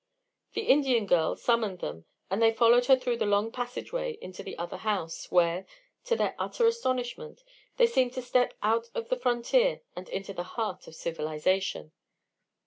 The Indian girl summoned them, and they followed her through the long passageway into the other house, where, to their utter astonishment, they seemed to step out of the frontier and into the heart of civilization.